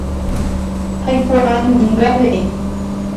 Aikuaanunga avei.